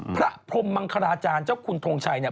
พระพรมมังคลาจารย์เจ้าคุณทงชัยเนี่ย